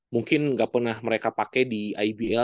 mungkin gak pernah mereka pake di ibl